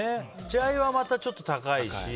稚アユはまたちょっと高いし。